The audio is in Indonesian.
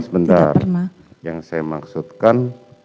sebentar yang saya maksudkan